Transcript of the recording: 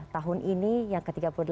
tahun ini yang ke tiga puluh delapan